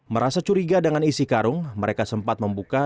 merasa curiga dengan isi karung mereka sempat membuka